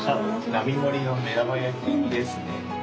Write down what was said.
並盛りの目玉焼きのせですね。